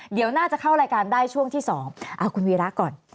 เดี๋ยวน่าจะเข้ารายการได้ช่วงที่๒เอาคุณวีระก่อน